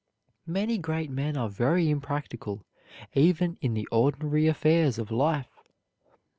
Many great men are very impractical even in the ordinary affairs of life.